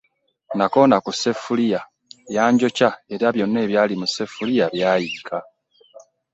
Nakoona ku ssefuliya yanjokya era byonna ebyali mu ssefuliya byayiika.